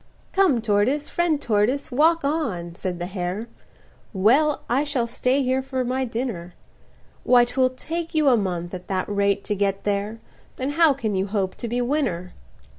"Come tortoise, friend tortoise, walk on," said the hare, "Well, I shall stay here for my dinner; Why, 'twill take you a month, at that rate, to get there, Then how can you hope to be winner?"